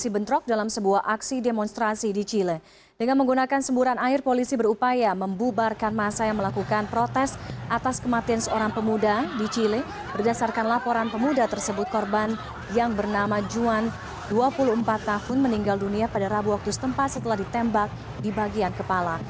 berdasarkan laporan pemuda tersebut korban yang bernama juan dua puluh empat tahun meninggal dunia pada rabu waktu setempat setelah ditembak di bagian kepala